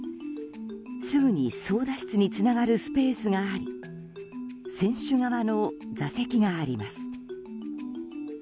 すぐに操舵室につながるスペースがあり船首側の座席があります。